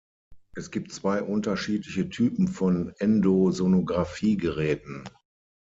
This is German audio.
Es gibt zwei unterschiedliche Typen von Endosonografie-Geräten.